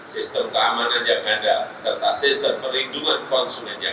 sistem keamanan yang ganda serta sistem perlindungan konsumen yang baik